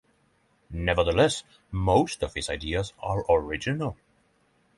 Nevertheless, most of his ideas are original.